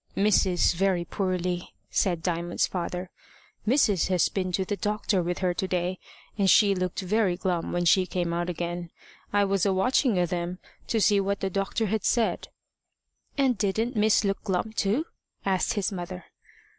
"Miss is very poorly," said Diamond's father. "Mis'ess has been to the doctor with her to day, and she looked very glum when she came out again. I was a watching of them to see what doctor had said." "And didn't Miss look glum too?" asked his mother.